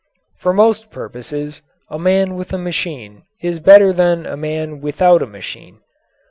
For most purposes a man with a machine is better than a man without a machine.